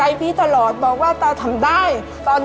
การที่บูชาเทพสามองค์มันทำให้ร้านประสบความสำเร็จ